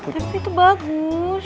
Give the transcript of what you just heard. tapi itu bagus